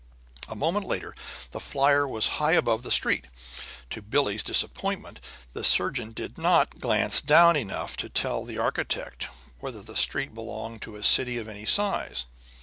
A moment later the flier was high above the street. To Billie's disappointment, the surgeon did not glance down enough to tell the architect whether the street belonged to a city of any size.